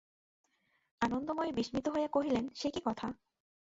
আনন্দময়ী বিস্মিত হইয়া কহিলেন, সে কী কথা!